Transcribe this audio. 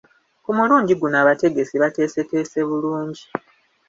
Ku mulundi guno abategesi bateeseteese bulungi.